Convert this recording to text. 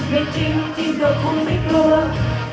ไม่จริงก็คงไม่กลัว